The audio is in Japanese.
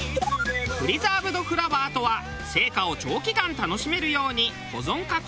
プリザーブドフラワーとは生花を長期間楽しめるように保存加工